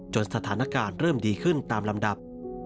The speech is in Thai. สถานการณ์เริ่มดีขึ้นตามลำดับ